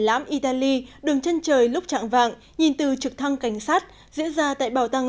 lãm italy đường chân trời lúc trạng vàng nhìn từ trực thăng cảnh sát diễn ra tại bảo tàng